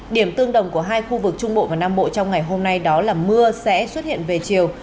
điểm tương đồng của hai khu vực trung bộ và nam bộ trong ngày hôm nay đó là mưa sẽ xuất hiện về chiều